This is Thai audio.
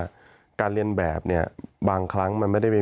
มีความรู้สึกว่ามีความรู้สึกว่ามีความรู้สึกว่า